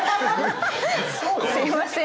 すみません。